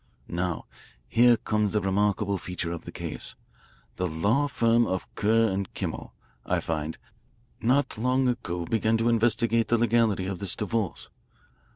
"Now here comes the remarkable feature of the case. The law firm of Kerr & Kimmel, I find, not long ago began to investigate the=20 legality of this divorce.